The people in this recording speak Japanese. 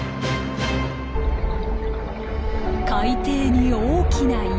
海底に大きな岩。